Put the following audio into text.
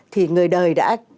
thì người đời đã